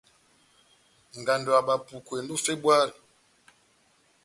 Ngando ya Bapuku endi ó Febuari.